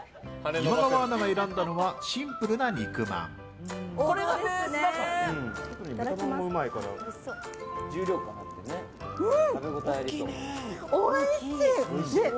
今川アナが選んだのはシンプルな肉まん。